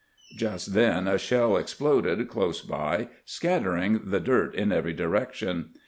Just tben a sbeU exploded close by, scattering tbe dirt in every direction.